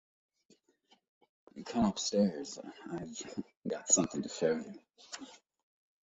Come upstairs, I've got something to show you.